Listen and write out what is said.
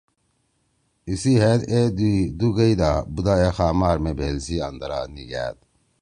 اِسی ہید اے دی دُو گئیدا بُودا اے خامار مے بھیل سی اندرا نیِگھأد۔